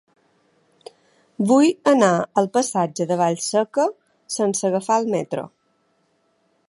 Vull anar al passatge de Vallseca sense agafar el metro.